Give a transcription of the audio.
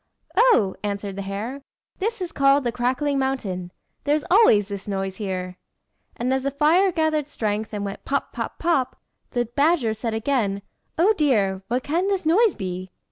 "Oh!" answered the hare, "this is called the Crackling Mountain. There's always this noise here." And as the fire gathered strength, and went pop! pop! pop! the badger said again "Oh dear! what can this noise be?"